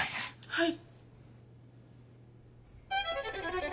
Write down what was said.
はい。